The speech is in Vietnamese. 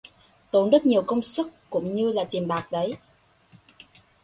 Tốn rất nhiều công sức cũng như là tiền bạc đấy